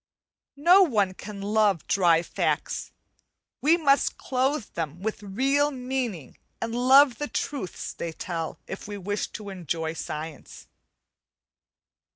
No one can love dry facts; we must clothe them with real meaning and love the truths they tell, if we wish to enjoy science.